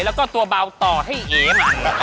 แล้วก็ตัวเบาต่อให้เอ๋มา